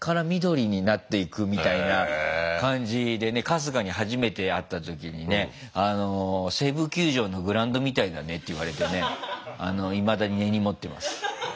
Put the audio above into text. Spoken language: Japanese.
春日に初めて会った時にね「西武球場のグラウンドみたいだね」って言われてねいまだに根に持ってます。